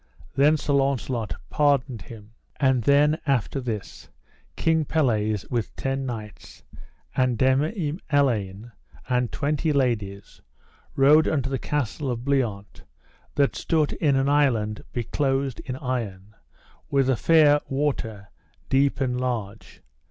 Then Sir Launcelot pardoned him. And then, after this, King Pelles with ten knights, and Dame Elaine, and twenty ladies, rode unto the Castle of Bliant that stood in an island beclosed in iron, with a fair water deep and large.